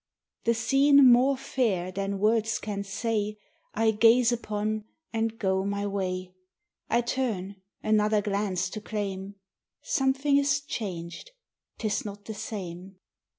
The scene more fair than words can say, I gaze upon and go my way; I turn, another glance to claim Something is changed, 't is not the same.